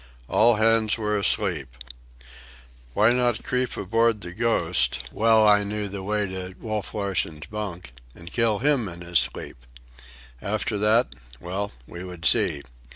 All hands were asleep. Why not creep aboard the Ghost,—well I knew the way to Wolf Larsen's bunk,—and kill him in his sleep? After that—well, we would see.